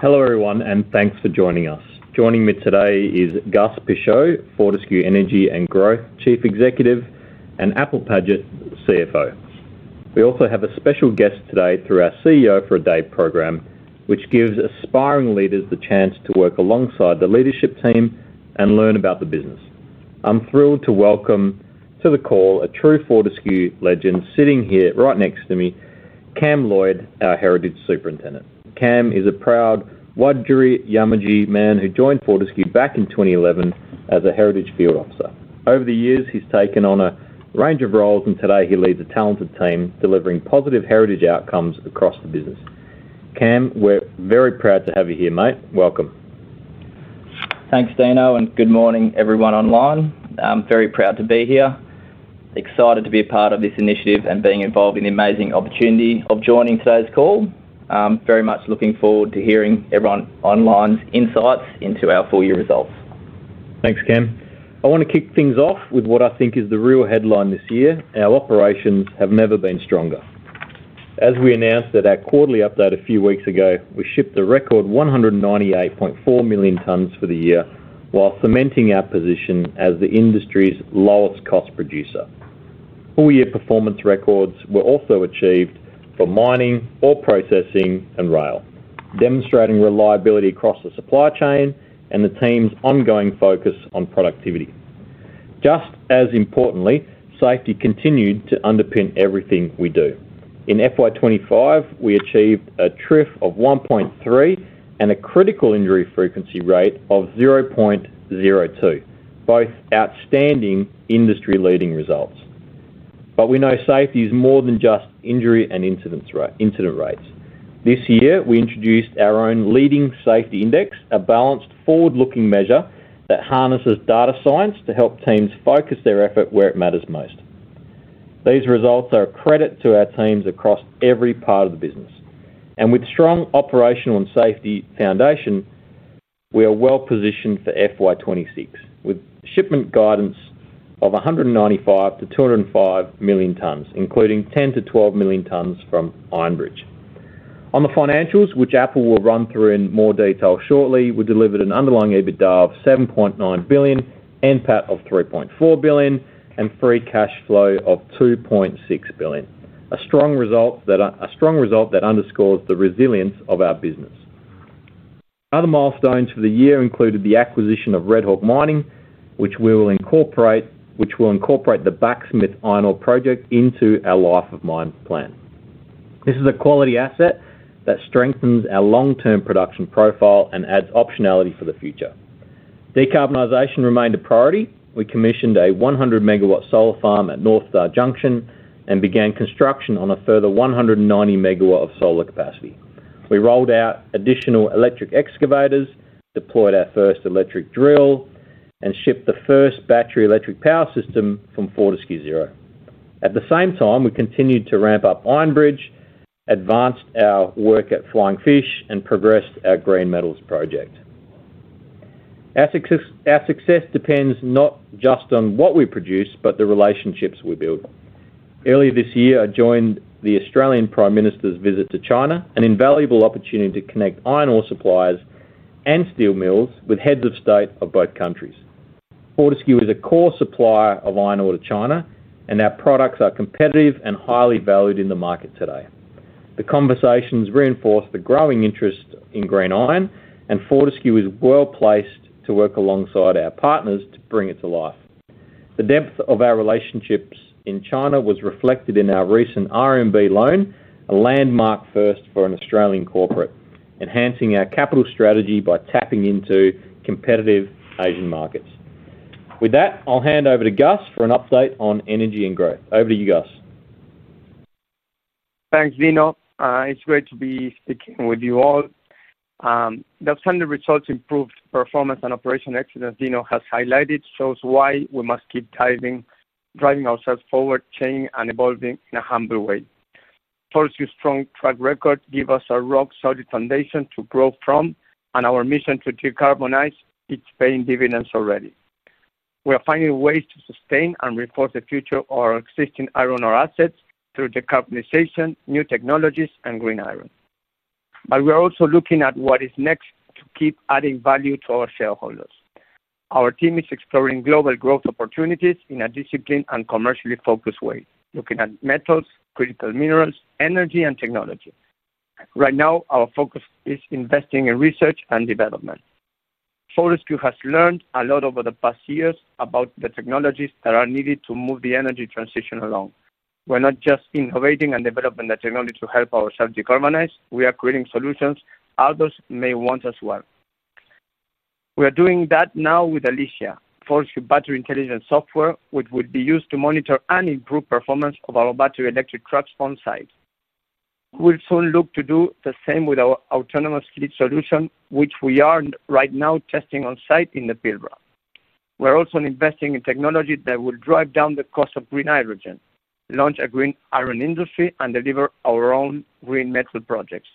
Hello everyone, and thanks for joining us. Joining me today is Gus Pichot, Fortescue Energy and Growth Chief Executive, and Apple Paget, CFO. We also have a special guest today through our CEO for a Day program, which gives aspiring leaders the chance to work alongside the leadership team and learn about the business. I'm thrilled to welcome to the call a true Fortescue legend sitting here right next to me, Cam Lloyd, our Heritage Superintendent. Cam is a proud Wadjuri Yamudji man who joined Fortescue back in 2011 as a Heritage Field Officer. Over the years, he's taken on a range of roles, and today he leads a talented team delivering positive heritage outcomes across the business. Cam, we're very proud to have you here, mate. Welcome. Thanks, Dino, and good morning everyone online. I'm very proud to be here, excited to be a part of this initiative and being involved in the amazing opportunity of joining today's call. I'm very much looking forward to hearing everyone online's insights into our full year results. Thanks, Cam. I want to kick things off with what I think is the real headline this year: our operations have never been stronger. As we announced at our quarterly update a few weeks ago, we shipped a record 198.4 million tonnes for the year, while cementing our position as the industry's lowest-cost producer. Four-year performance records were also achieved for mining, ore processing, and rail, demonstrating reliability across the supply chain and the team's ongoing focus on productivity. Just as importantly, safety continued to underpin everything we do. In FY 2025, we achieved a TRIF of 1.3 and a critical injury frequency rate of 0.02, both outstanding industry-leading results. We know safety is more than just injury and incident rates. This year, we introduced our own leading safety index, a balanced forward-looking measure that harnesses data science to help teams focus their effort where it matters most. These results are a credit to our teams across every part of the business. With a strong operational and safety foundation, we are well positioned for FY 2026, with shipment guidance of 195 million-205 million tonnes, including 10 million-12 million tonnes from Ironbridge. On the financials, which Apple will run through in more detail shortly, we delivered an underlying EBITDA of 7.9 billion, NPAT of 3.4 billion, and free cash flow of 2.6 billion. A strong result that underscores the resilience of our business. Other milestones for the year included the acquisition of Redhawk Mining, which will incorporate the Blacksmith Iron Ore project into our life of mine plan. This is a quality asset that strengthens our long-term production profile and adds optionality for the future. Decarbonization remained a priority. We commissioned a 100 MW solar farm at North Star Junction and began construction on a further 190 MW of solar capacity. We rolled out additional electric excavators, deployed our first electric drill, and shipped the first battery electric power system from Fortescue Zero. At the same time, we continued to ramp up Ironbridge, advanced our work at Flying Fish, and progressed our Green Metals project. Our success depends not just on what we produce, but the relationships we build. Earlier this year, I joined the Australian Prime Minister's visit to China, an invaluable opportunity to connect iron ore suppliers and steel mills with heads of state of both countries. Fortescue is a core supplier of iron ore to China, and our products are competitive and highly valued in the market today. The conversations reinforce the growing interest in green iron, and Fortescue is well placed to work alongside our partners to bring it to life. The depth of our relationships in China was reflected in our recent RMB loan, a landmark first for an Australian corporate, enhancing our capital strategy by tapping into competitive Asian markets. With that, I'll hand over to Gus for an update on energy and growth. Over to you, Gus. Thanks, Dino. It's great to be speaking with you all. That's how the results, improved performance, and operational excellence Dino has highlighted show why we must keep driving ourselves forward, change, and evolving in a humble way. Fortescue's strong track record gives us a rock-solid foundation to grow from, and our mission to decarbonize is paying dividends already. We are finding ways to sustain and reforge the future of our existing iron ore assets through decarbonization, new technologies, and green iron. We are also looking at what is next to keep adding value to our shareholders. Our team is exploring global growth opportunities in a disciplined and commercially focused way, looking at metals, critical minerals, energy, and technology. Right now, our focus is investing in research and development. Fortescue has learned a lot over the past years about the technologies that are needed to move the energy transition along. We're not just innovating and developing the technology to help ourselves decarbonize; we are creating solutions others may want as well. We are doing that now with Alicia, Fortescue's battery intelligence software, which will be used to monitor and improve performance of our battery electric trucks on site. We'll soon look to do the same with our autonomous fleet solutions, which we are right now testing on site in the Pilbara. We're also investing in technology that will drive down the cost of green hydrogen, launch a green iron industry, and deliver our own green metal projects.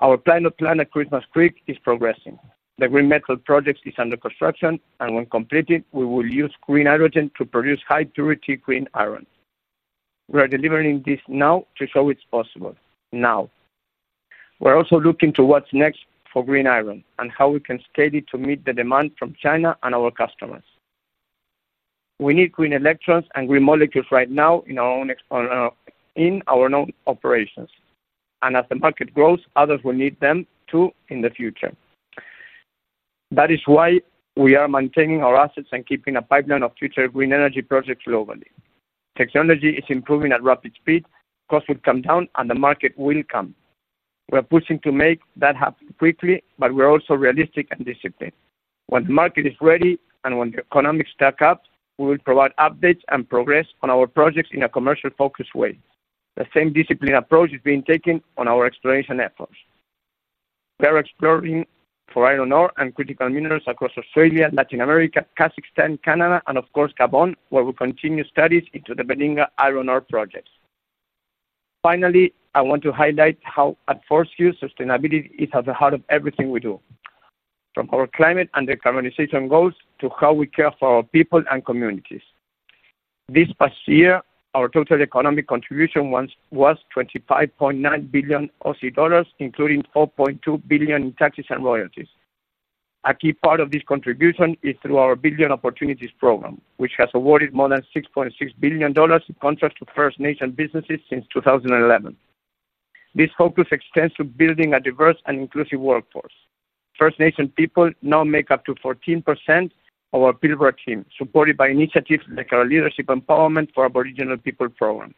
Our pilot plant at Christmas Creek is progressing. The Green Metals project is under construction, and when completed, we will use green hydrogen to produce high-purity green iron. We are delivering this now to show it's possible. Now, we're also looking to what's next for green iron and how we can scale it to meet the demand from China and our customers. We need green electrons and green molecules right now in our own operations. As the market grows, others will need them too in the future. That is why we are maintaining our assets and keeping a pipeline of future green energy projects globally. Technology is improving at rapid speed, costs will come down, and the market will come. We're pushing to make that happen quickly, but we're also realistic and disciplined. When the market is ready and when the economics stack up, we will provide updates and progress on our projects in a commercial-focused way. The same disciplined approach is being taken on our exploration efforts. We are exploring for iron ore and critical minerals across Australia, Latin America, Kazakhstan, Canada, and of course, Gabon, where we continue studies into the Beringa iron ore projects. Finally, I want to highlight how at Fortescue, sustainability is at the heart of everything we do, from our climate and decarbonization goals to how we care for our people and communities. This past year, our total economic contribution was 25.9 billion Aussie dollars, including 4.2 billion in taxes and royalties. A key part of this contribution is through our Billion Opportunities Program, which has awarded more than 6.6 billion dollars in contracts to First Nation businesses since 2011. This focus extends to building a diverse and inclusive workforce. First Nation people now make up to 14% of our Pilbara team, supported by initiatives like our Leadership Empowerment for Aboriginal People Program.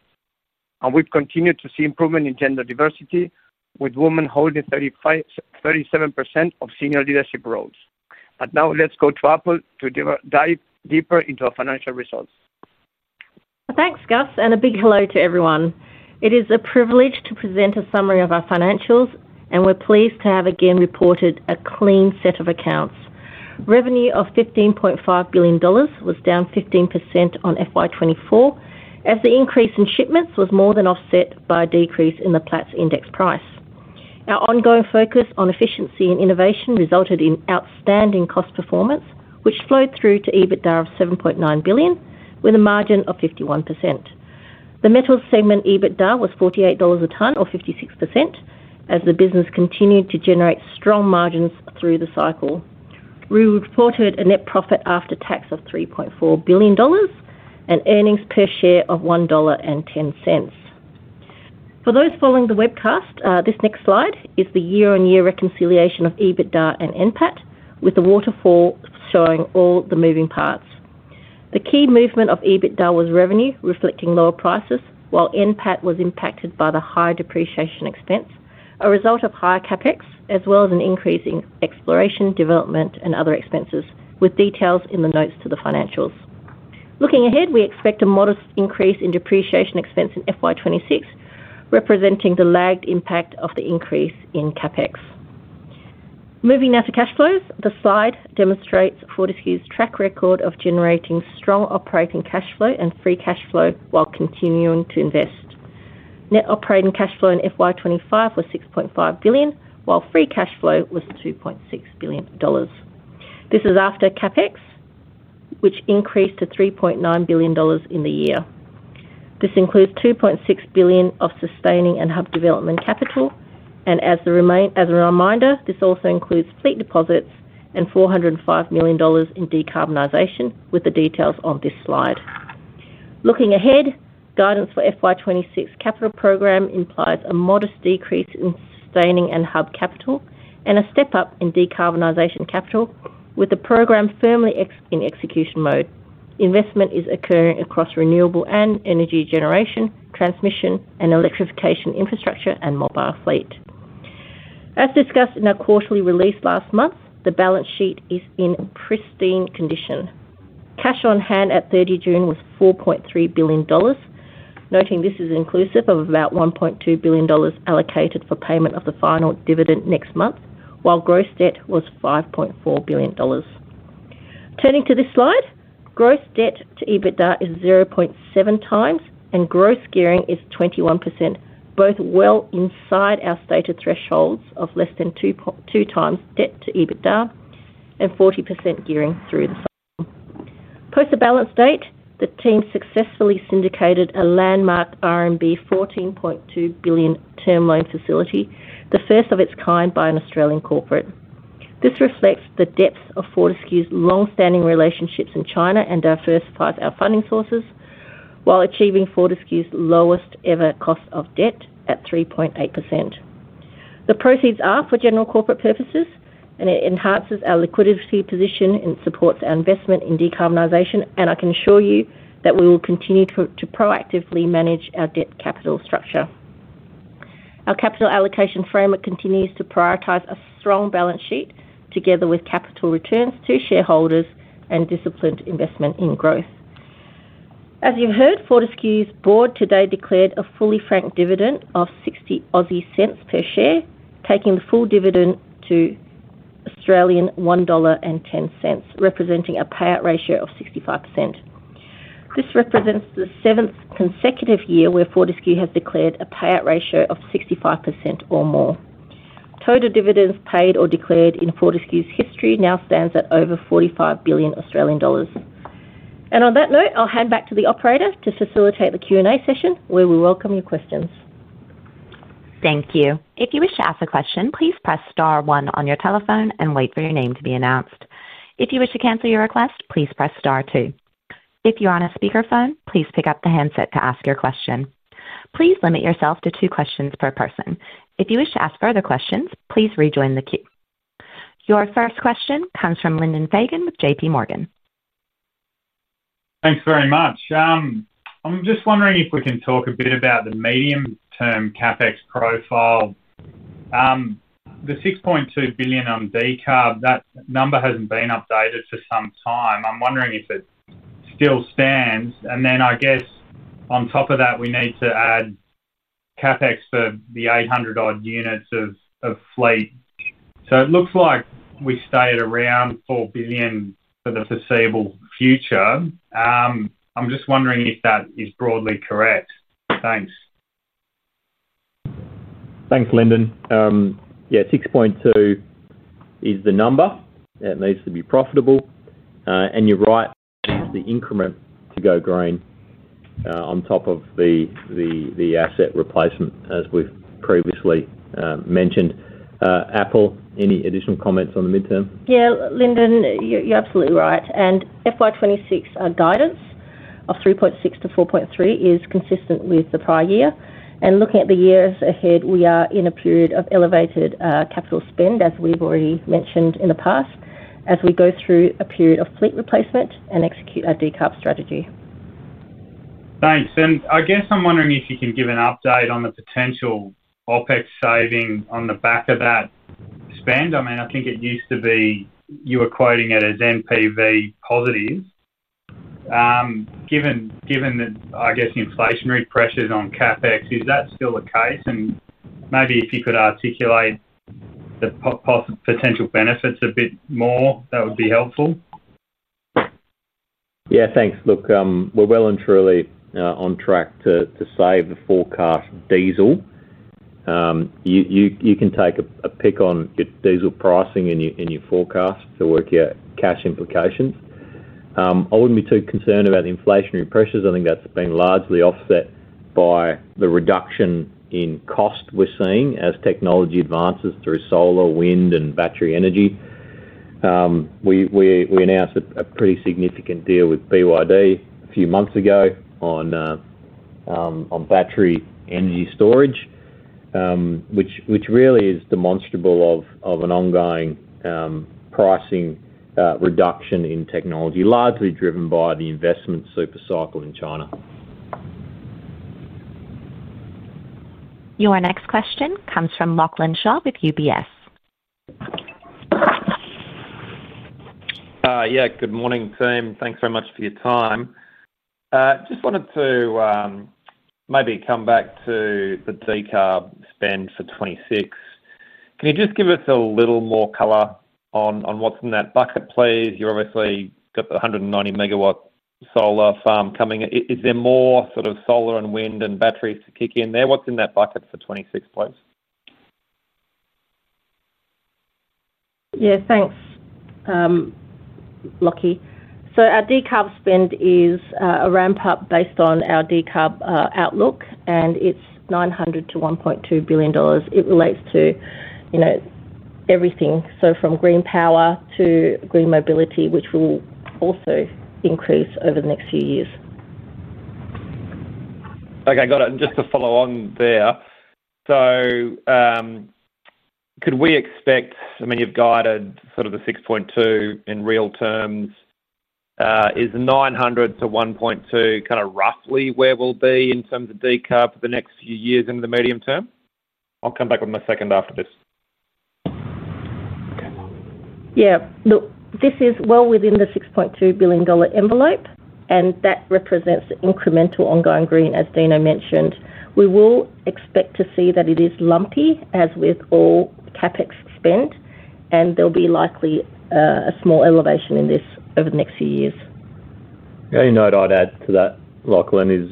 We have continued to see improvement in gender diversity, with women holding 37% of senior leadership roles. Now, let's go to Apple to dive deeper into our financial results. Thanks, Gus, and a big hello to everyone. It is a privilege to present a summary of our financials, and we're pleased to have again reported a clean set of accounts. Revenue of 15.5 billion dollars was down 15% on FY 2024, as the increase in shipments was more than offset by a decrease in the Platts index price. Our ongoing focus on efficiency and innovation resulted in outstanding cost performance, which flowed through to EBITDA of 7.9 billion, with a margin of 51%. The metals segment EBITDA was 48 dollars a tonne or 56%, as the business continued to generate strong margins through the cycle. We reported a net profit after tax of 3.4 billion dollars and earnings per share of 1.10 dollar. For those following the webcast, this next slide is the year-on-year reconciliation of EBITDA and NPAT, with the waterfall showing all the moving parts. The key movement of EBITDA was revenue, reflecting lower prices, while NPAT was impacted by the high depreciation expense, a result of higher CAPEX, as well as an increase in exploration, development, and other expenses, with details in the notes to the financials. Looking ahead, we expect a modest increase in depreciation expense in FY 2026, representing the lagged impact of the increase in CAPEX. Moving now to cash flows, the slide demonstrates Fortescue's track record of generating strong operating cash flow and free cash flow while continuing to invest. Net operating cash flow in FY 2025 was 6.5 billion, while free cash flow was 2.6 billion dollars. This is after CAPEX, which increased to 3.9 billion dollars in the year. This includes 2.6 billion of sustaining and hub development capital, and as a reminder, this also includes fleet deposits and 405 million dollars in decarbonization, with the details on this slide. Looking ahead, guidance for FY 2026 capital program implies a modest decrease in sustaining and hub capital and a step up in decarbonization capital, with the program firmly in execution mode. Investment is occurring across renewable and energy generation, transmission, and electrification infrastructure and mobile fleet. As discussed in our quarterly release last month, the balance sheet is in pristine condition. Cash on hand at 30 June was 4.3 billion dollars, noting this is inclusive of about 1.2 billion dollars allocated for payment of the final dividend next month, while gross debt was 5.4 billion dollars. Turning to this slide, gross debt to EBITDA is 0.7 times, and gross gearing is 21%, both well inside our stated thresholds of less than two times debt to EBITDA and 40% gearing through this. Post-balance date, the team successfully syndicated a landmark RMB 14.2 billion term loan facility, the first of its kind by an Australian corporate. This reflects the depth of Fortescue's longstanding relationships in China and diversifies our funding sources, while achieving Fortescue's lowest ever cost of debt at 3.8%. The proceeds are for general corporate purposes, and it enhances our liquidity position and supports our investment in decarbonization. I can assure you that we will continue to proactively manage our debt capital structure. Our capital allocation framework continues to prioritize a strong balance sheet, together with capital returns to shareholders and disciplined investment in growth. As you heard, Fortescue's board today declared a fully franked dividend of 0.60 per share, taking the full dividend to 1.10 Australian dollars, representing a payout ratio of 65%. This represents the seventh consecutive year where Fortescue has declared a payout ratio of 65% or more. Total dividends paid or declared in Fortescue's history now stands at over 45 billion Australian dollars. On that note, I'll hand back to the operator to facilitate the Q&A session, where we welcome your questions. Thank you. If you wish to ask a question, please press star one on your telephone and wait for your name to be announced. If you wish to cancel your request, please press star two. If you're on a speaker phone, please pick up the handset to ask your question. Please limit yourself to two questions per person. If you wish to ask further questions, please rejoin the queue. Your first question comes from Lyndon Fagan with J.P. Morgan. Thanks very much. I'm just wondering if we can talk a bit about the medium-term CAPEX profile. The 6.2 billion on decarb, that number hasn't been updated for some time. I'm wondering if it still stands, and then I guess on top of that we need to add CAPEX for the 800-odd units of fleet. It looks like we stayed around 4 billion for the foreseeable future. I'm just wondering if that is broadly correct. Thanks. Thanks, Lyndon. Yeah, 6.2 billion is the number that needs to be profitable, and you're right, that is the increment to go green on top of the asset replacement, as we've previously mentioned. Apple, any additional comments on the midterm? Yeah, Lyndon, you're absolutely right, and FY 2026 our guidance of 3.6-4.3 is consistent with the prior year. Looking at the years ahead, we are in a period of elevated capital spend, as we've already mentioned in the past, as we go through a period of fleet replacement and execute our decarb strategy. Thanks, and I guess I'm wondering if you can give an update on the potential OPEX saving on the back of that spend. I mean, I think it used to be you were quoting it as NPV positive. Given that, I guess, inflationary pressures on CAPEX, is that still the case? If you could articulate the potential benefits a bit more, that would be helpful. Yeah, thanks. Look, we're well and truly on track to save the forecast of diesel. You can take a pick on your diesel pricing and your forecast to work out cash implications. I wouldn't be too concerned about the inflationary pressures. I think that's been largely offset by the reduction in cost we're seeing as technology advances through solar, wind, and battery energy. We announced a pretty significant deal with BYD a few months ago on battery energy storage, which really is demonstrable of an ongoing pricing reduction in technology, largely driven by the investment supercycle in China. Your next question comes from Lachlan Shaw with UBS Inc. Yeah, good morning, team. Thanks very much for your time. Just wanted to maybe come back to the decarb spend for 2026. Can you just give us a little more color on what's in that bucket, please? You've obviously got the 190 MW solar farm coming. Is there more sort of solar and wind and batteries to kick in there? What's in that bucket for 2026, please? Yeah, thanks, Lachy. Our decarb spend is a ramp-up based on our decarb outlook, and it's 900 million-1.2 billion dollars. It relates to everything, from green power to green mobility, which will also increase over the next few years. Okay, got it. Just to follow on there, did we expect, I mean, you've guided sort of the 6.2 billion in real terms. Is 900 million-1.2 billion kind of roughly where we'll be in terms of decarb for the next few years into the medium term? I'll come back with my second after this. Yeah, look, this is well within the 6.2 billion dollar envelope, and that represents the incremental ongoing green, as Dino mentioned. We will expect to see that it is lumpy, as with all CAPEX spend, and there'll be likely a small elevation in this over the next few years. The only note I'd add to that, Lachlan, is,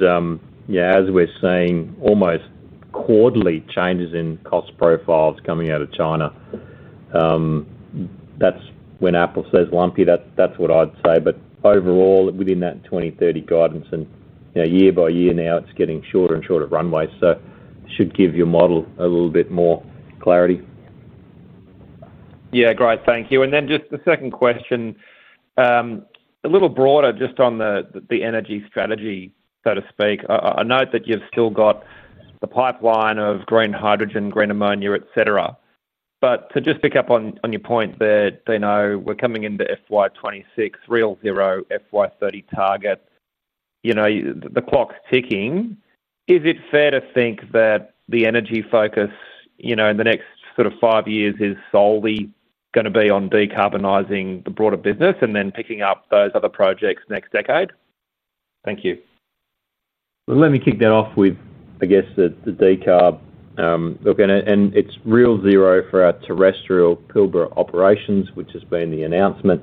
yeah, as we're seeing almost quarterly changes in cost profiles coming out of China, that's when Apple says lumpy, that's what I'd say. Overall, within that 2030 guidance, and you know, year by year now, it's getting shorter and shorter runways, so it should give your model a little bit more clarity. Yeah, great, thank you. Just the second question, a little broader, just on the energy strategy, so to speak. I note that you've still got the pipeline of green hydrogen, green ammonia, et cetera. To just pick up on your point there, Dino, we're coming into FY 2026, real zero FY 2030 target. You know, the clock's ticking. Is it fair to think that the energy focus in the next sort of five years is solely going to be on decarbonizing the broader business and then picking up those other projects next decade? Thank you. Let me kick that off with, I guess, the decarb. Look, it's real zero for our terrestrial Pilbara operations, which has been the announcement.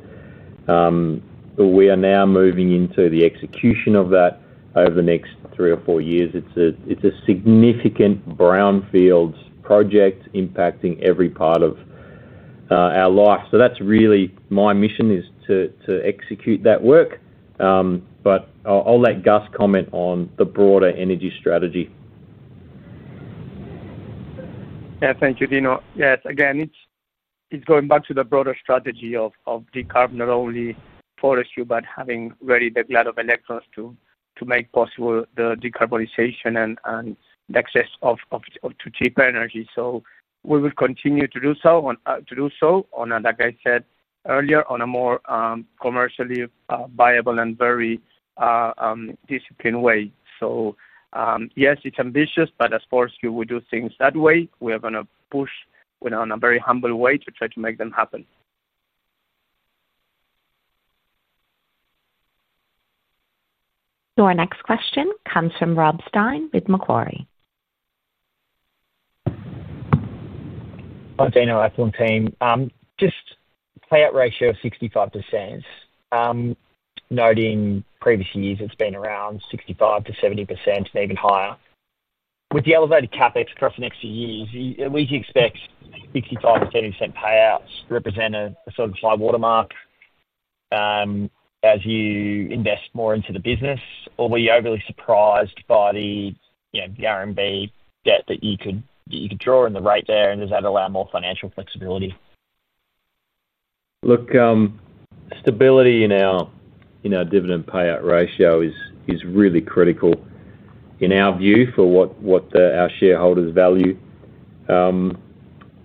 We are now moving into the execution of that over the next three or four years. It's a significant brownfield project impacting every part of our life. That's really my mission, is to execute that work. I'll let Gus comment on the broader energy strategy. Yeah, thank you, Dino. It's going back to the broader strategy of decarbonization, not only Fortescue, but having really the glut of electrons to make possible the decarbonization and access to cheaper energy. We will continue to do so, like I said earlier, on a more commercially viable and very disciplined way. Yes, it's ambitious, but as for us, we do things that way. We are going to push in a very humble way to try to make them happen. Your next question comes from Rob Stein with Macquarie Group. Hi, Dino. I just want to say payout ratio is 65%. Noting previous years, it's been around 65%-70% and even higher. With the elevated CAPEX profit next few years, would you expect 65%-70% payouts to represent a sort of high watermark as you invest more into the business, or were you overly surprised by the R&B debt that you could draw in the rate there, and does that allow more financial flexibility? Look, stability in our dividend payout ratio is really critical in our view for what our shareholders value,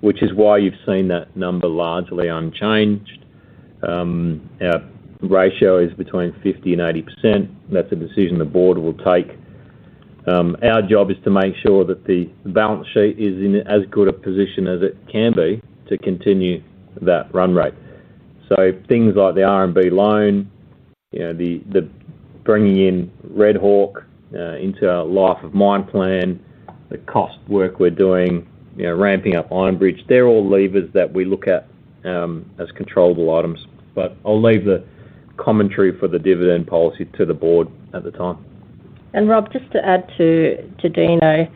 which is why you've seen that number largely unchanged. Our ratio is between 50% and 80%. That's a decision the board will take. Our job is to make sure that the balance sheet is in as good a position as it can be to continue that run rate. Things like the R&B loan, the bringing in Redhawk into our life of mine plan, the cost work we're doing, ramping up Ironbridge, they're all levers that we look at as controllable items. I'll leave the commentary for the dividend policy to the board at the time. Rob, just to add to Dino,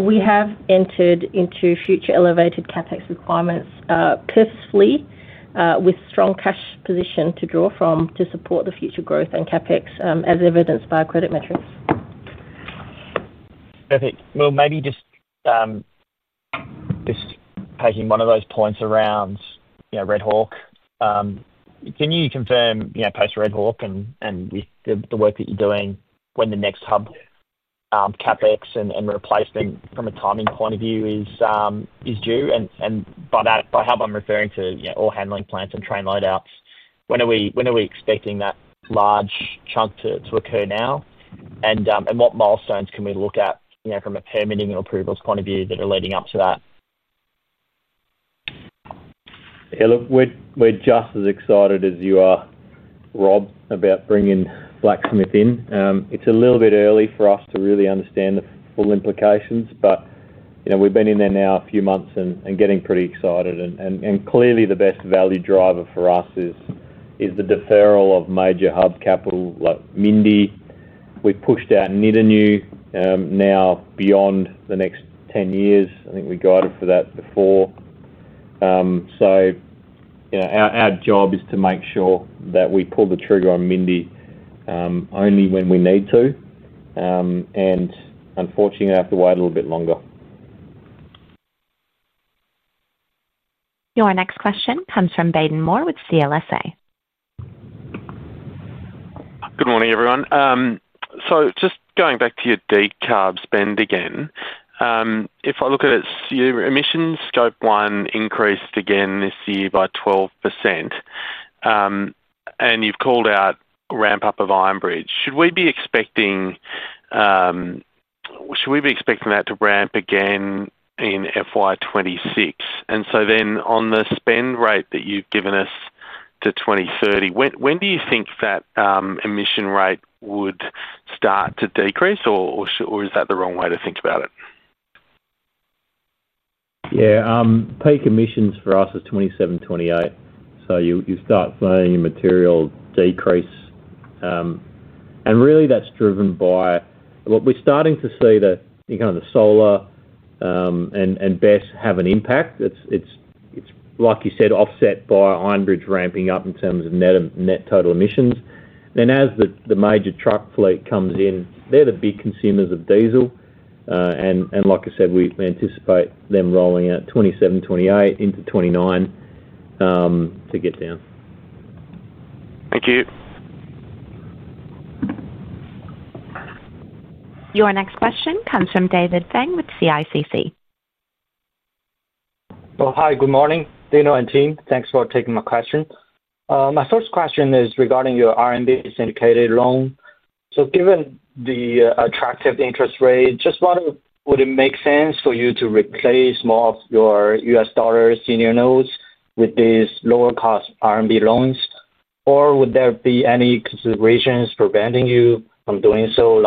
we have entered into future elevated CAPEX requirements purposefully with strong cash position to draw from to support the future growth and CAPEX, as evidenced by our credit metrics. Perfect. Maybe just taking one of those points around Redhawk, can you confirm, you know, post Redhawk and with the work that you're doing, when the next hub CAPEX and replacement from a timing point of view is due? By hub, I'm referring to all handling plants and train loadouts. When are we expecting that large chunk to occur now? What milestones can we look at, you know, from a permitting and approvals point of view that are leading up to that? Yeah, look, we're just as excited as you are, Rob, about bringing Blacksmith in. It's a little bit early for us to really understand the full implications, but we've been in there now a few months and getting pretty excited. Clearly, the best value driver for us is the deferral of major hub capital like Mindy. We've pushed out Nidanu now beyond the next 10 years. I think we guided for that before. Our job is to make sure that we pull the trigger on Mindy only when we need to. Unfortunately, we have to wait a little bit longer. Your next question comes from Baden Moore with CLSA Ltd. Good morning, everyone. Just going back to your decarb spend again, if I look at it, your emissions Scope 1 increased again this year by 12%. You've called out ramp-up of Iron Bridge. Should we be expecting that to ramp again in FY 2026? On the spend rate that you've given us to 2030, when do you think that emission rate would start to decrease, or is that the wrong way to think about it? Yeah, peak emissions for us is 2027-2028. You start feeling your material decrease, and really, that's driven by what we're starting to see, the kind of the solar and BES have an impact. It's, like you said, offset by Iron Bridge ramping up in terms of net total emissions. As the major truck fleet comes in, they're the big consumers of diesel, and like I said, we anticipate them rolling out 2027-2028 into 2029 to get down. Thank you. Your next question comes from David Feng with China International Capital Corp. Good morning, Dino and team. Thanks for taking my question. My first question is regarding your RMB syndicated loan. Given the attractive interest rate, just wondered, would it make sense for you to replace more of your U.S. dollar senior notes with these lower-cost RMB loans? Would there be any considerations preventing you from doing so?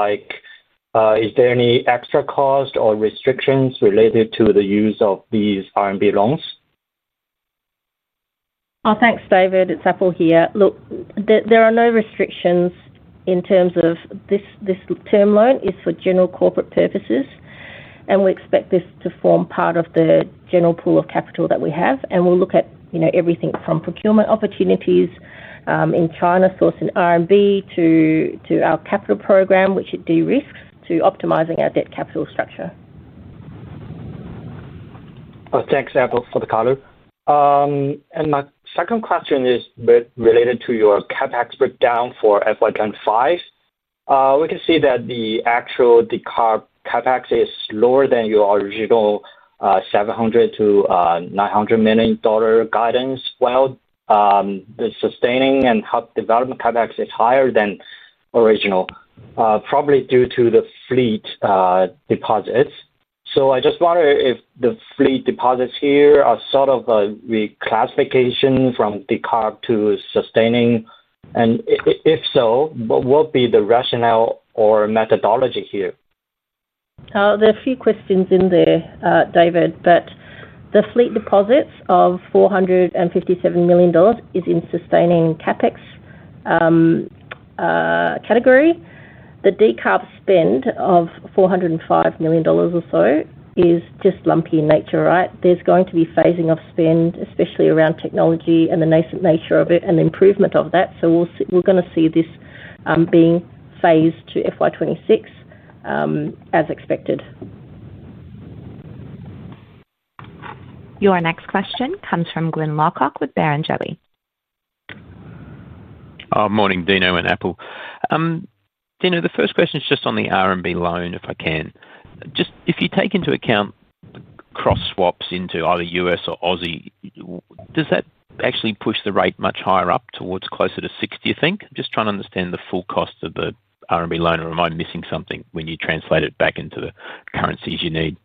Is there any extra cost or restrictions related to the use of these RMB loans? Thanks, David. It's Apple here. There are no restrictions in terms of this term loan; it is for general corporate purposes. We expect this to form part of the general pool of capital that we have. We'll look at everything from procurement opportunities in China sourcing RMB to our capital program, which is de-risked, to optimizing our debt capital structure. Oh, thanks, Apple, for the cardo. My second question is a bit related to your CAPEX breakdown for FY 2025. We can see that the actual decarb CAPEX is lower than your original 700 million-900 million dollar guidance. The sustaining and hub development CAPEX is higher than original, probably due to the fleet deposits. I just wonder if the fleet deposits here are sort of a reclassification from decarb to sustaining. If so, what would be the rationale or methodology here? There are a few questions in there, David, but the fleet deposits of 457 million dollars is in sustaining CAPEX category. The decarb spend of 405 million dollars or so is just lumpy in nature, right? There's going to be phasing of spend, especially around technology and the nascent nature of it and the improvement of that. We're going to see this being phased to FY 2026 as expected. Your next question comes from Glyn Lawcock with Barrenjoey Markets Pty Ltd. Morning, Dino and Apple. Dino, the first question is just on the R&B loan, if I can. If you take into account the cross swaps into either U.S. or Aussie, does that actually push the rate much higher up towards closer to 6%, do you think? I'm just trying to understand the full cost of the R&B loan. Or am I missing something when you translate it back into the currencies you need?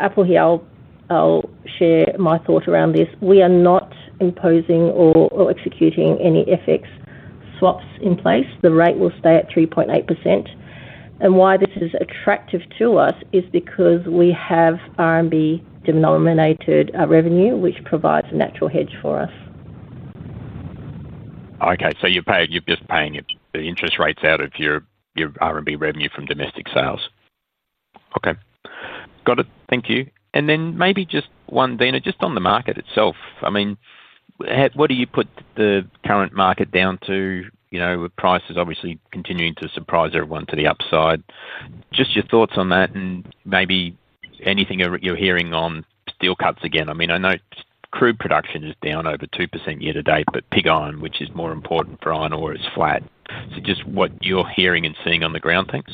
Apple here, I'll share my thought around this. We are not imposing or executing any FX swaps in place. The rate will stay at 3.8%. Why this is attractive to us is because we have RMB-denominated revenue, which provides a natural hedge for us. Okay, so you're just paying the interest rates out of your R&B revenue from domestic sales. Okay, got it. Thank you. Maybe just one, Dino, just on the market itself. I mean, what do you put the current market down to? You know, with prices obviously continuing to surprise everyone to the upside, just your thoughts on that and maybe anything you're hearing on deal cuts again. I know crude production is down over 2% year to date, but pig iron, which is more important for iron ore, is flat. Just what you're hearing and seeing on the ground, thanks.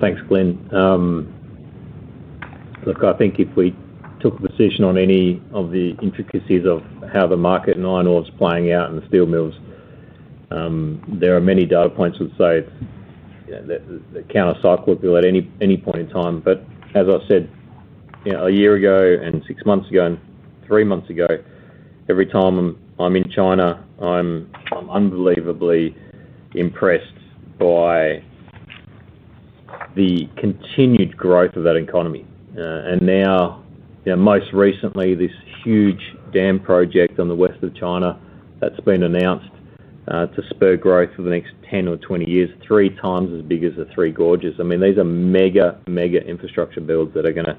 Thanks, Glln. Look, I think if we took a position on any of the intricacies of how the market in iron ore is playing out in the steel mills, there are many data points which say it's the counter cycle if you let any point in time. As I said, you know, a year ago and six months ago and three months ago, every time I'm in China, I'm unbelievably impressed by the continued growth of that economy. Now, you know, most recently, this huge dam project on the west of China that's been announced to spur growth for the next 10 or 20 years, three times as big as the Three Gorges. I mean, these are mega, mega infrastructure builds that are going to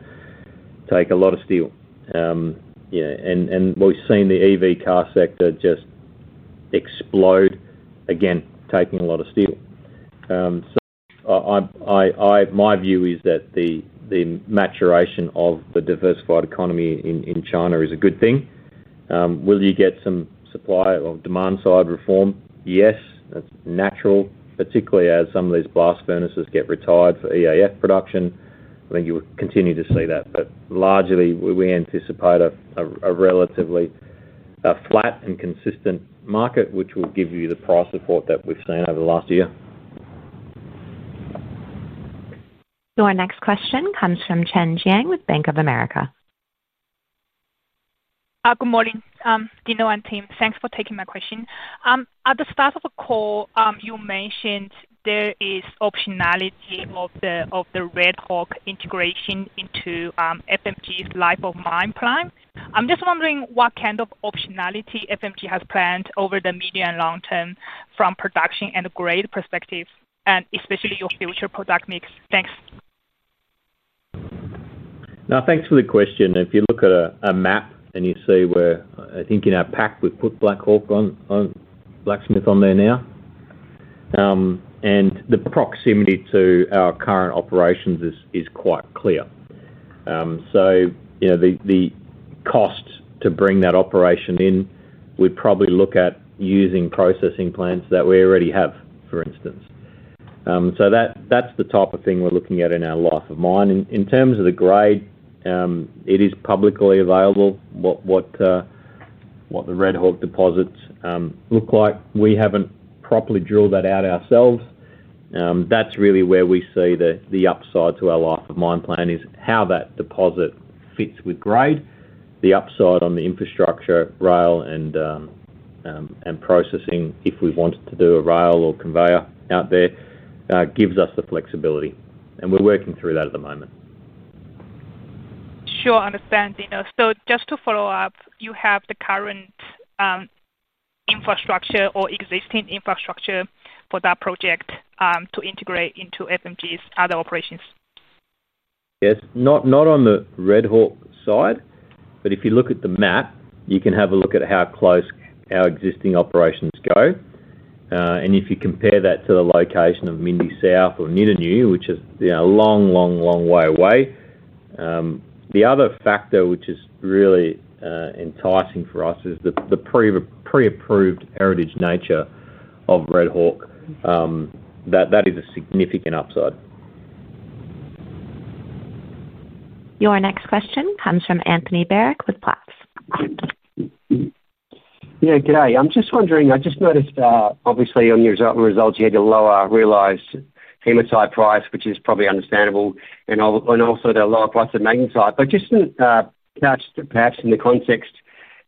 take a lot of steel. We've seen the EV car sector just explode again, taking a lot of steel. My view is that the maturation of the diversified economy in China is a good thing. Will you get some supply or demand side reform? Yes, that's natural, particularly as some of these blast furnaces get retired for EAF production. I think you will continue to see that. Largely, we anticipate a relatively flat and consistent market, which will give you the price support that we've seen over the last year. Your next question comes from Chen Jiang with BofA Merrill Lynch Asset Holdings Inc. Hi, good morning, Dino and team. Thanks for taking my question. At the start of the call, you mentioned there is optionality of the Redhawk integration into Fortescue's life of mine plan. I'm just wondering what kind of optionality Fortescue has planned over the medium and long term from a production and a grade perspective, and especially your future product mix. Thanks. Now, thanks for the question. If you look at a map and you see where I think in our pack, we put Blacksmith on there now. The proximity to our current operations is quite clear. The cost to bring that operation in, we'd probably look at using processing plants that we already have, for instance. That's the type of thing we're looking at in our life of mine. In terms of the grade, it is publicly available what the Redhawk deposits look like. We haven't properly drilled that out ourselves. That's really where we see the upside to our life of mine plan is how that deposit fits with grade. The upside on the infrastructure, rail, and processing, if we want to do a rail or conveyor out there, gives us the flexibility. We're working through that at the moment. Sure, I understand, Dino. Just to follow up, you have the current infrastructure or existing infrastructure for that project to integrate into Fortescue's other operations? Yes, not on the Redhawk side, but if you look at the map, you can have a look at how close our existing operations go. If you compare that to the location of Mindy South or Nyidinghu, which is a long, long, long way away, the other factor which is really enticing for us is the pre-approved heritage nature of Redhawk. That is a significant upside. Your next question comes from Anthony Barrick with [Platinum]. Yeah, G'day. I'm just wondering, I just noticed obviously on your results, you had a lower realized hematite price, which is probably understandable, and also the lower price of magnetite. Just in the context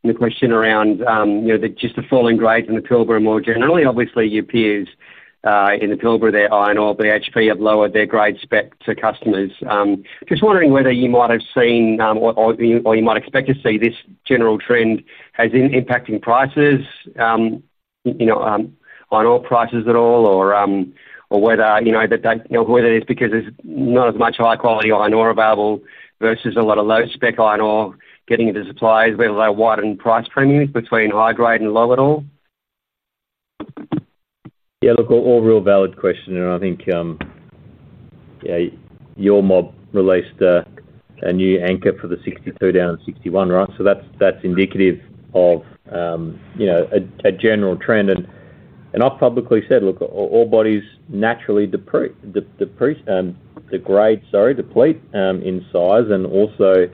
and the question around, you know, just the fall in grade in the Pilbara more generally, obviously your peers in the Pilbara, their iron ore, BHP have lowered their grade spec to customers. Just wondering whether you might have seen or you might expect to see this general trend as impacting prices, you know, iron ore prices at all, or whether, you know, that they know who it is because there's not as much high-quality iron ore available versus a lot of low-spec iron ore getting into suppliers, whether there are widened price premiums between high grade and low at all. Yeah, look, all real valid question, and I think, yeah, your mob released a new anchor for the 62 down to 61, right? That's indicative of a general trend. I've publicly said, look, all bodies naturally deplete, the grade, sorry, deplete in size. Also,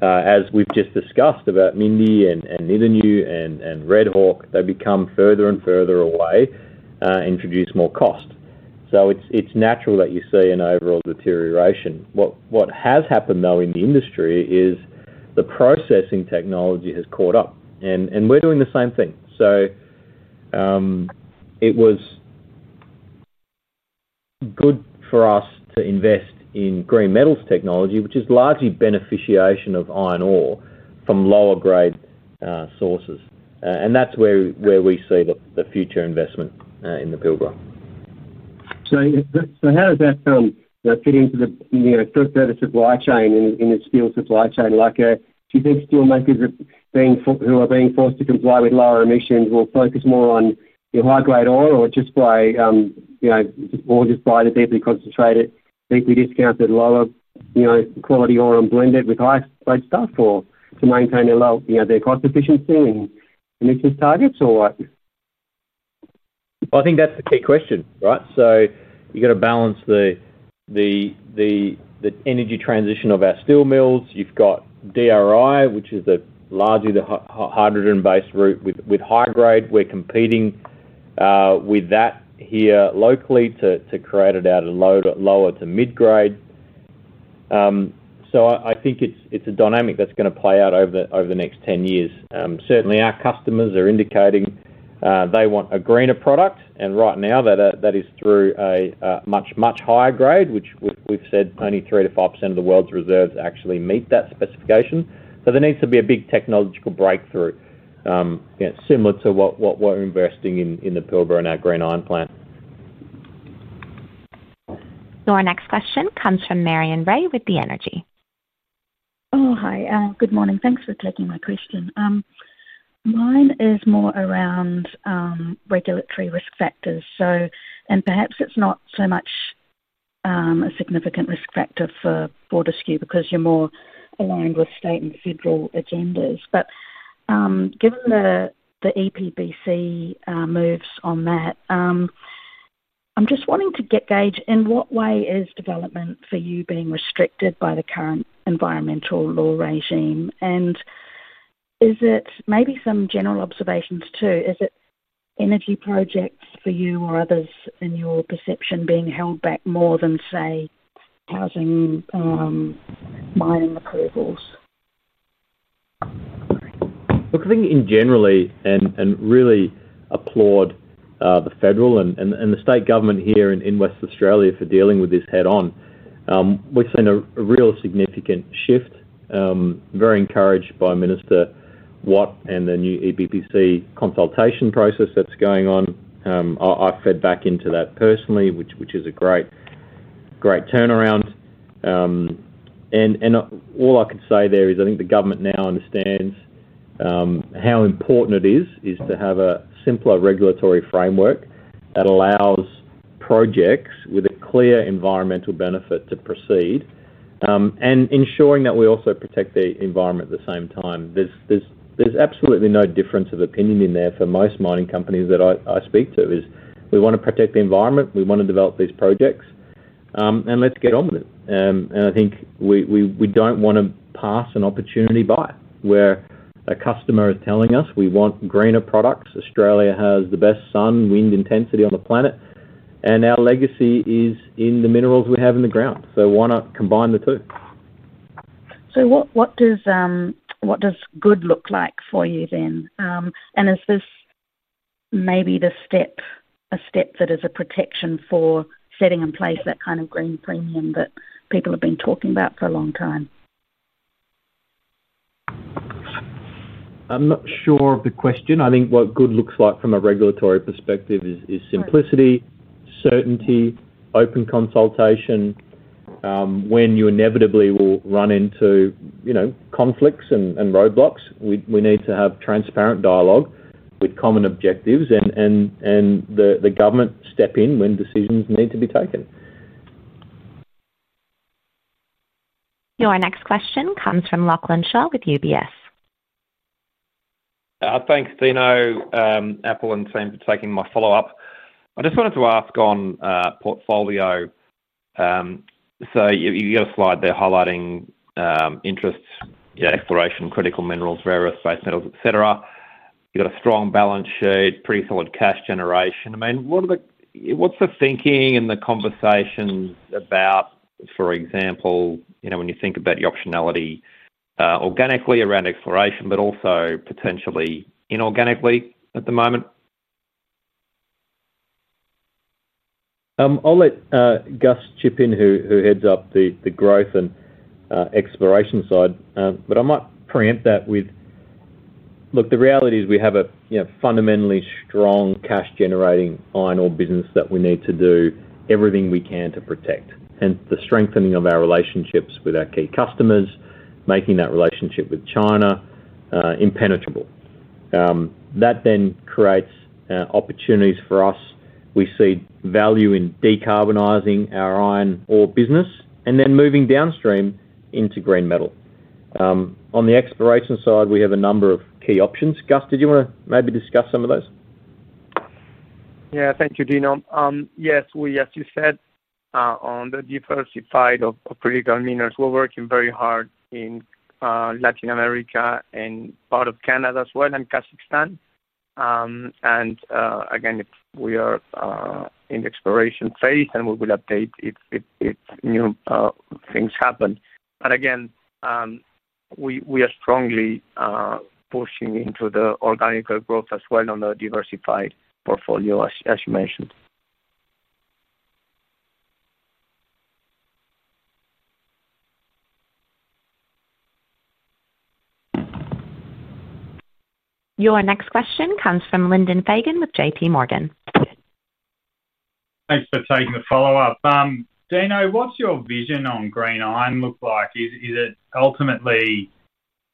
as we've just discussed about Mindy and Nyidinghu and Redhawk, they become further and further away, introduce more cost. It's natural that you see an overall deterioration. What has happened in the industry is the processing technology has caught up, and we're doing the same thing. It was good for us to invest in green metals technology, which is largely beneficiation of iron ore from lower grade sources. That's where we see the future investment in the Pilbara. How does that fit into the sort of further supply chain in the steel supply chain? If you think steelmakers who are being forced to comply with lower emissions will focus more on your high-grade ore, or just buy the deeply concentrated, deeply discounted, lower quality ore and blend it with high-grade stuff to maintain their cost efficiency and emissions targets or what? I think that's the key question, right? You've got to balance the energy transition of our steel mills. You've got DRI, which is largely the hydrogen-based route with high grade. We're competing with that here locally to create it out of lower to mid-grade. I think it's a dynamic that's going to play out over the next 10 years. Certainly, our customers are indicating they want a greener product, and right now that is through a much, much higher grade, which we've said only 3%-5% of the world's reserves actually meet that specification. There needs to be a big technological breakthrough, similar to what we're investing in the Pilbara and our green iron plant. Your next question comes from Marion Ray with The Energy. Oh, hi. Good morning. Thanks for taking my question. Mine is more around regulatory risk factors. Perhaps it's not so much a significant risk factor for Fortescue because you're more aligned with state and federal agendas. Given the EPBC moves on that, I'm just wanting to get gauged in what way is development for you being restricted by the current environmental law regime? Is it maybe some general observations too? Is it energy projects for you or others in your perception being held back more than, say, housing and mining approvals? Look, I think in general, and really applaud the federal and the state government here in Western Australia for dealing with this head-on. We've seen a real significant shift, very encouraged by Minister Watt and the new EPBC consultation process that's going on. I fed back into that personally, which is a great turnaround. All I could say there is I think the government now understands how important it is to have a simpler regulatory framework that allows projects with a clear environmental benefit to proceed and ensuring that we also protect the environment at the same time. There's absolutely no difference of opinion in there for most mining companies that I speak to. We want to protect the environment. We want to develop these projects. Let's get on with it. I think we don't want to pass an opportunity by where a customer is telling us we want greener products. Australia has the best sun, wind intensity on the planet. Our legacy is in the minerals we have in the ground. Why not combine the two? What does good look like for you then? Is this maybe a step that is a protection for setting in place that kind of green premium that people have been talking about for a long time? I'm not sure of the question. I think what good looks like from a regulatory perspective is simplicity, certainty, open consultation. When you inevitably will run into conflicts and roadblocks, we need to have transparent dialogue with common objectives, and the government step in when decisions need to be taken. Your next question comes from Lachlan Shaw with UBS Inc. Thanks, Dino. Apple and teams for taking my follow-up. I just wanted to ask on portfolio. You've got a slide there highlighting interests, exploration, critical minerals, rare earth-based metals, et cetera. You've got a strong balance sheet, pretty solid cash generation. I mean, what's the thinking and the conversations about, for example, when you think about the optionality organically around exploration, but also potentially inorganically at the moment? I'll let Gus chip in, who heads up the Growth and Exploration side. I might preempt that with, look, the reality is we have a fundamentally strong cash-generating iron ore business that we need to do everything we can to protect. The strengthening of our relationships with our key customers, making that relationship with China impenetrable, then creates opportunities for us. We see value in decarbonizing our iron ore business and moving downstream into green metal. On the exploration side, we have a number of key options. Gus, did you want to maybe discuss some of those? Yeah, thank you, Dino. Yes, we, as you said, are on the diversified of critical minerals. We're working very hard in Latin America and part of Canada as well, and Kazakhstan. If we are in the exploration phase, then we will update if new things happen. We are strongly pushing into the organic growth as well on the diversified portfolio, as you mentioned. Your next question comes from Lyndon Fagan with J.P. Morgan. Thanks for taking the follow-up. Dino, what's your vision on green iron look like? Is it ultimately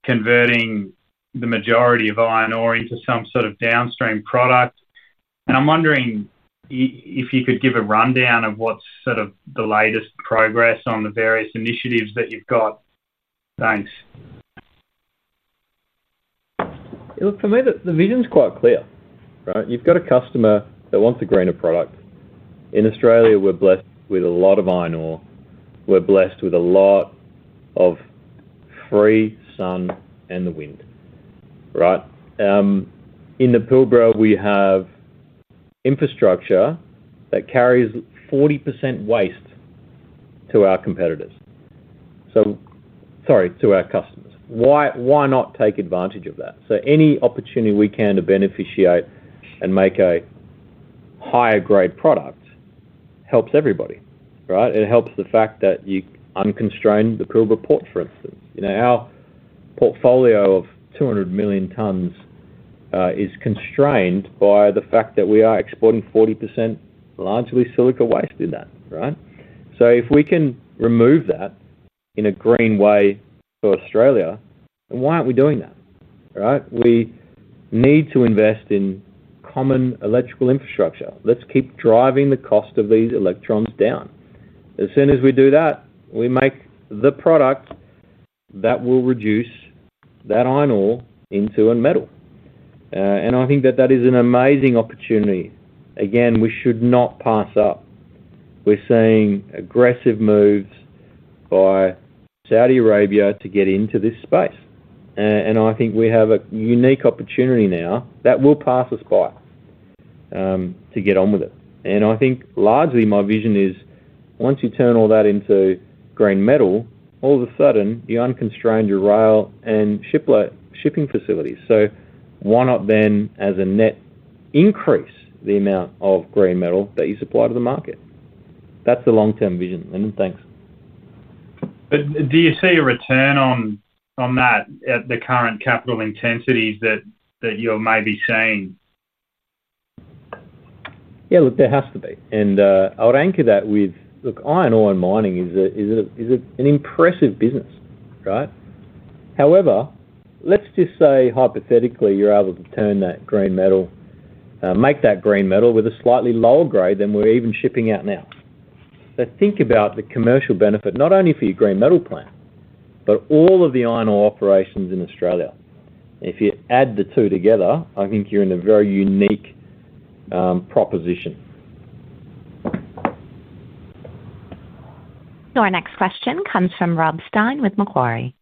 converting the majority of iron ore into some sort of downstream product? I'm wondering if you could give a rundown of what's sort of the latest progress on the various initiatives that you've got. Thanks. Look, for me, the vision's quite clear, right? You've got a customer that wants a greener product. In Australia, we're blessed with a lot of iron ore. We're blessed with a lot of free sun and the wind, right? In the Pilbara, we have infrastructure that carries 40% waste to our customers. Why not take advantage of that? Any opportunity we can to beneficiate and make a higher grade product helps everybody, right? It helps the fact that you unconstrain the Pilbara port, for instance. Our portfolio of 200 million tons is constrained by the fact that we are exporting 40% largely silica waste in that, right? If we can remove that in a green way for Australia, then why aren't we doing that, right? We need to invest in common electrical infrastructure. Let's keep driving the cost of these electrons down. As soon as we do that, we make the product that will reduce that iron ore into a metal. I think that that is an amazing opportunity. We should not pass up. We're seeing aggressive moves by Saudi Arabia to get into this space. I think we have a unique opportunity now that will pass us by to get on with it. I think largely my vision is once you turn all that into green metal, all of a sudden you unconstrain your rail and shipping facilities. Why not then as a net increase the amount of green metal that you supply to the market? That's the long-term vision, and thanks. Do you see a return on that at the current capital intensities that you're maybe seeing? Yeah, there has to be. I would anchor that with, look, iron ore and mining is an impressive business, right? However, let's just say hypothetically you're able to turn that green metal, make that green metal with a slightly lower grade than we're even shipping out now. Think about the commercial benefit, not only for your green metal plant, but all of the iron ore operations in Australia. If you add the two together, I think you're in a very unique proposition. Your next question comes from Rob Stein with Macquarie Group.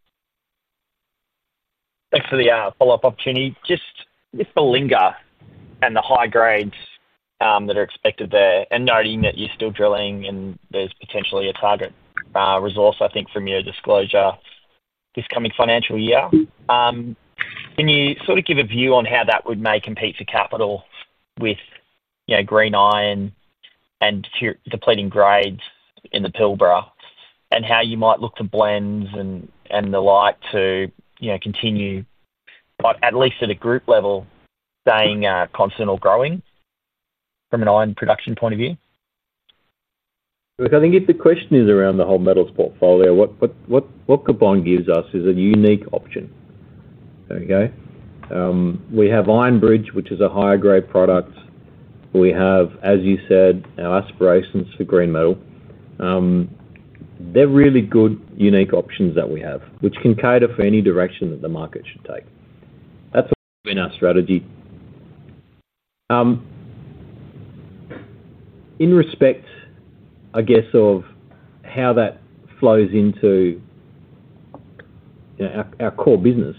Thanks for the follow-up opportunity. Just with the Belinga and the high grades that are expected there, and noting that you're still drilling and there's potentially a target resource, I think from your disclosure this coming financial year, can you sort of give a view on how that would make compete for capital with, you know, green iron and depleting grades in the Pilbara, and how you might look to blends and the like to, you know, continue, at least at a group level, staying constant or growing from an iron production point of view? Look, I think if the question is around the whole metals portfolio, what Coupon gives us is a unique option. There we go. We have Ironbridge, which is a higher grade product. We have, as you said, our aspirations for green metal. They're really good unique options that we have, which can cater for any direction that the market should take. That's been our strategy. In respect, I guess, of how that flows into our core business,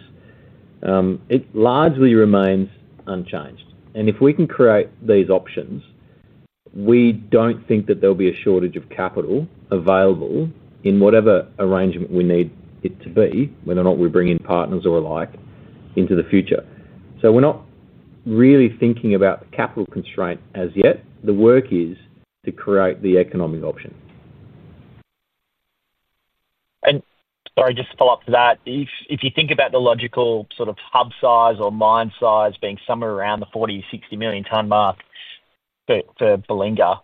it largely remains unchanged. If we can create these options, we don't think that there'll be a shortage of capital available in whatever arrangement we need it to be, whether or not we bring in partners or alike into the future. We're not really thinking about the capital constraint as yet. The work is to create the economic option. Sorry, just to follow up to that, if you think about the logical sort of hub size or mine size being somewhere around the 40 million-60 million ton mark for Belinga,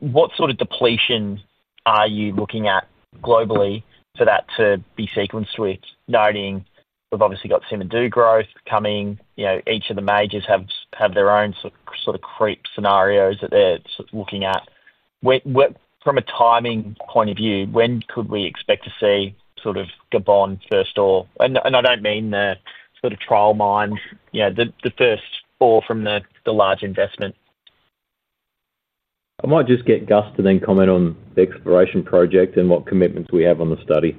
what sort of depletion are you looking at globally for that to be sequenced with, noting we've obviously got some due growth coming, you know, each of the majors have their own sort of creep scenarios that they're looking at. From a timing point of view, when could we expect to see sort of Gabon first, and I don't mean the sort of trial mine, the first ore from the large investment? I might just get Gus to then comment on the exploration project and what commitments we have on the study.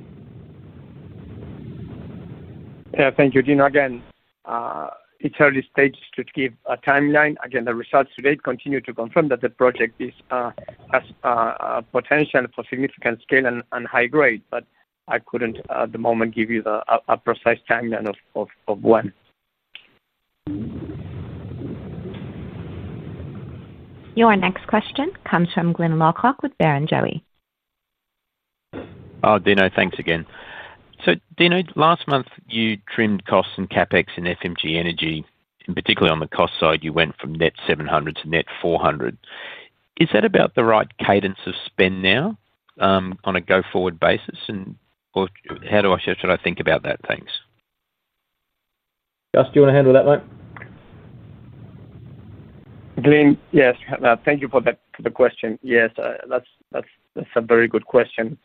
Thank you, Dino. Again, it's early stages to give a timeline. The results today continue to confirm that the project has a potential for significant scale and high grade, but I couldn't at the moment give you a precise timeline of when. Your next question comes from Glyn Lawcock with Barrenjoey. Dino, thanks again. Dino, last month you trimmed costs and CAPEX in FMG Energy, and particularly on the cost side, you went from net 700 million to net 400 million. Is that about the right cadence of spend now on a go-forward basis, and how should I think about that? Thanks. Gus, do you want to handle that one? Yes, thank you for the question. Yes, that's a very good question.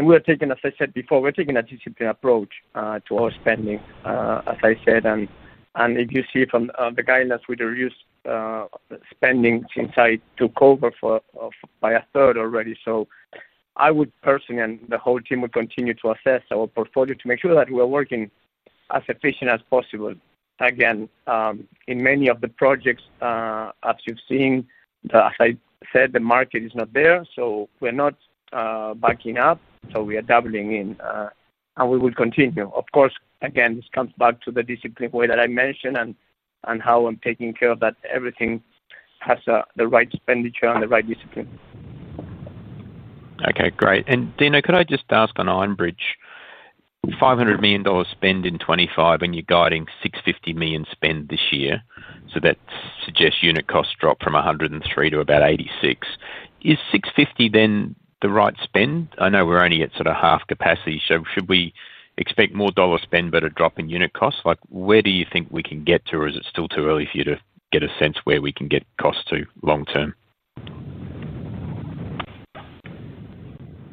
We're taking, as I said before, a disciplined approach to our spending. If you see from the guidance, we reduced spending since I took over by a third already. I would personally, and the whole team would continue to assess our portfolio to make sure that we are working as efficiently as possible. In many of the projects, as you've seen, the market is not there, so we're not backing up. We are doubling in, and we will continue. Of course, this comes back to the disciplined way that I mentioned and how I'm taking care that everything has the right expenditure and the right discipline. Okay, great. Dino, could I just ask on Ironbridge, 500 million dollars spend in 2025, and you're guiding 650 million spend this year, so that suggests unit cost drop from 103 to about 86. Is 650 million then the right spend? I know we're only at sort of half capacity. Should we expect more dollar spend, but a drop in unit cost? Where do you think we can get to, or is it still too early for you to get a sense where we can get cost to long term?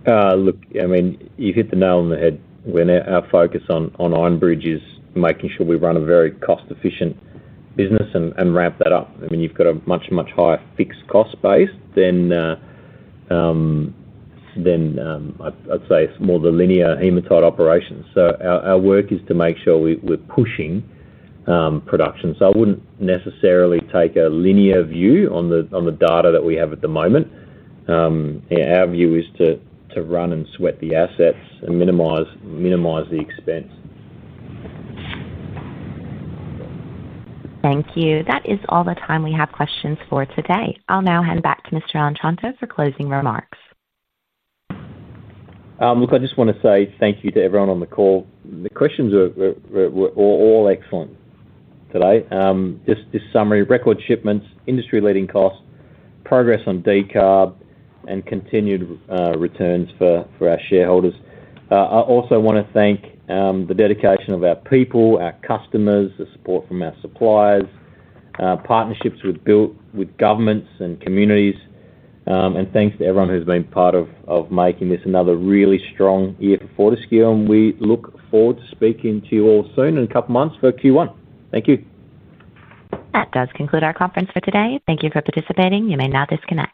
Look, you've hit the nail on the head. Our focus on Ironbridge is making sure we run a very cost-efficient business and ramp that up. You've got a much, much higher fixed cost base than, I'd say, some more of the linear hematite operations. Our work is to make sure we're pushing production. I wouldn't necessarily take a linear view on the data that we have at the moment. Our view is to run and sweat the assets and minimize the expense. Thank you. That is all the time we have questions for today. I'll now hand back to Mr. Otranto for closing remarks. I just want to say thank you to everyone on the call. The questions were all excellent today. Just this summary: record shipments, industry-leading costs, progress on decarb, and continued returns for our shareholders. I also want to thank the dedication of our people, our customers, the support from our suppliers, partnerships with governments and communities, and thanks to everyone who's been part of making this another really strong year for Fortescue. We look forward to speaking to you all soon in a couple of months for Q1. Thank you. That does conclude our conference for today. Thank you for participating. You may now disconnect.